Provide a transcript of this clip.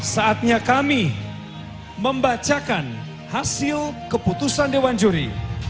saatnya kami membacakan hasil keputusan dewan juri